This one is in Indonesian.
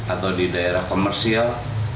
atau di daerah komersil